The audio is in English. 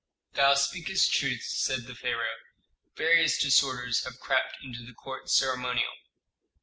"Thou speakest truth," said the pharaoh. "Various disorders have crept into the court ceremonial."